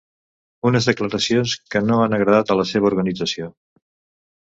Unes declaracions que no han agradat a la seva organització.